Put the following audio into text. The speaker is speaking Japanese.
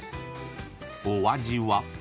［お味は？］